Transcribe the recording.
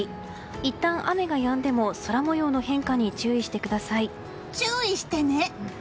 いったん雨がやんでも空模様の変化に注意してください。